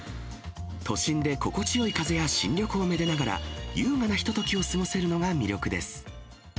都心で心地よい風や新緑をめでながら、優雅なひとときを過ごせるのが魅力です。